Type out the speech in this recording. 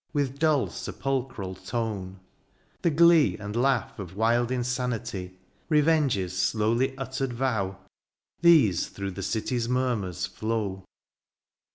With dull sepulchral tone ; the glee And laugh of wild insanity ; Revenge's slowly uttered vow ;— These through the city's murmurs flow.